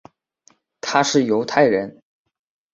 他是犹太人。